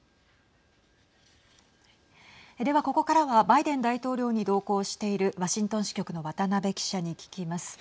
では、ここからはバイデン大統領に同行しているワシントン支局の渡辺記者に聞きます。